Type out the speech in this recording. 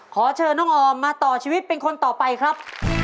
ขอเชิญน้องออมมาต่อชีวิตเป็นคนต่อไปครับ